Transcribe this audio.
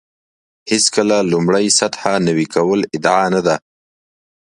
هېڅکله لومړۍ سطح نوي کول ادعا نه ده.